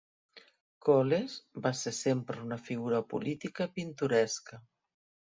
Coles va ser sempre una figura política pintoresca.